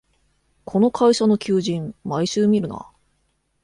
この会社の求人、毎週見るな